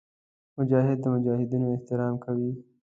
مجاهد د مجاهدینو احترام کوي.